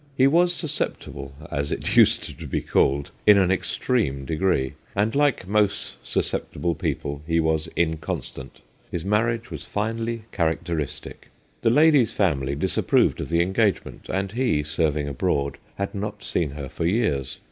He was susceptible, as it used to be called, in an extreme degree ; and, like most susceptible people, he was inconstant. His marriage was finely characteristic. The lady's family disapproved of the engagement, and he, serv ing abroad, had not seen her for years.